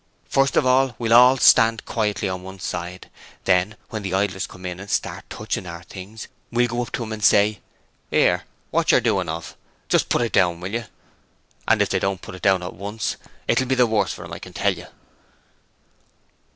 'First of all we'll all stand quietly on one side. Then when the idlers come in and start touching our things, we'll go up to 'em and say, "'Ere, watcher doin' of? Just you put it down, will yer?" And if they don't put it down at once, it'll be the worse for 'em, I can tell you.'